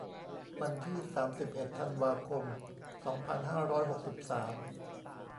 วันที่ สามสิบเอ็ด ธันวาคม สองพันห้าร้อยหกสิบสาม